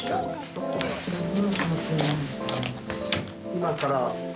今から。